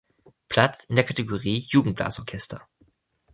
Platz in der Kategorie Jugendblasorchester.